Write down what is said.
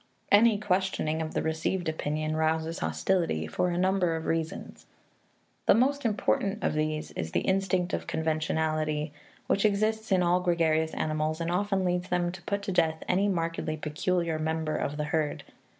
Any questioning of the received opinion rouses hostility, for a number of reasons. The most important of these is the instinct of conventionality, which exists in all gregarious animals and often leads them to put to death any markedly peculiar member of the herd.